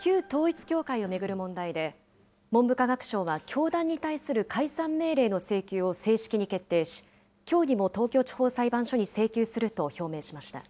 旧統一教会を巡る問題で、文部科学省は教団に対する解散命令の請求を正式に決定し、きょうにも東京地方裁判所に請求すると表明しました。